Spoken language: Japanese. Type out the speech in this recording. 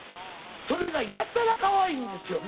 それがやたらかわいいんですよ。